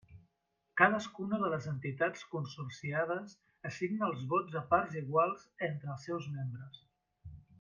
Cadascuna de les entitats consorciades assigna els vots a parts iguals entre els seus membres.